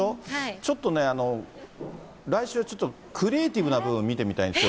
ちょっとね、来週ちょっとクリエイティブな部分を見てみたいんですよ。